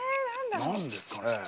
何ですかね。